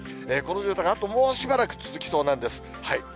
この状態があともうしばらく続きそうなんです。